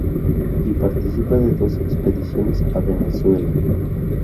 Y participa de dos expediciones a Venezuela.